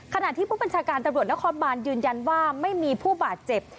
ขณะที่ผู้บัญชาการตำรวจนครบานยืนยันว่าไม่มีผู้บาดเจ็บ